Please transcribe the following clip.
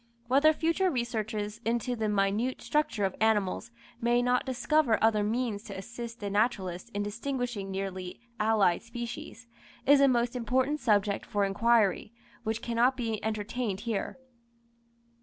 Whether future researches into the minute structure of animals may not discover other means to assist the naturalist in distinguishing nearly allied species, is a most important subject for inquiry, which cannot be entertained here.